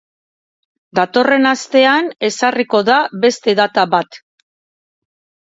Datorren astean ezarriko da beste data bat.